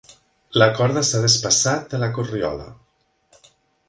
La corda s'ha despassat de la corriola.